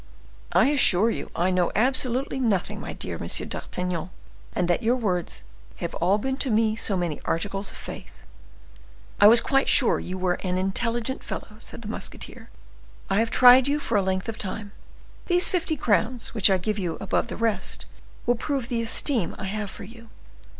"I assure you I know absolutely nothing, my dear M. d'Artagnan, and that your words have all been to me so many articles of faith." "I was quite sure you were an intelligent fellow," said the musketeer; "I have tried you for a length of time. These fifty crowns which I give you above the rest will prove the esteem I have for you.